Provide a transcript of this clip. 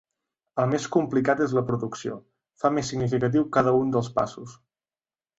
El més complicat és la producció, fa més significatiu cada un dels passos.